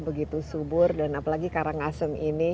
begitu subur dan apalagi karangasem ini